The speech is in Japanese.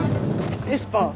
エスパー？